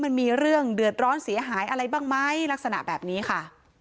มันมีเรื่องเดือดร้อนเสียหายอะไรบ้างไหมลักษณะแบบนี้ค่ะ